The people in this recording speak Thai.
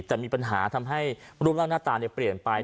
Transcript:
แต่มีปัญหาทำให้รูปร่างหน้าตาเปลี่ยนไป